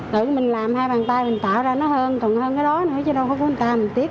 tự mình làm hai bàn tay mình tạo ra nó hơn còn hơn cái đó nữa chứ đâu có của người ta mình tiếc